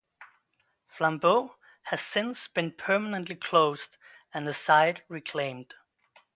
Flambeau has since been permanently closed and the site reclaimed.